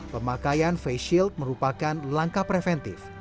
pemakaian face shield merupakan langkah preventif